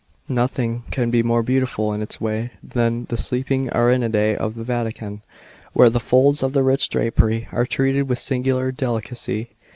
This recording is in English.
Nothing can be more beautiful in its way than the Sleeping Ariadne of the Vatican, where the folds of the rich drapery are treated vvitli singular delicacy.